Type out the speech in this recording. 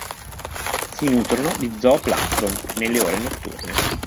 Si nutrono di zooplancton nelle ore notturne.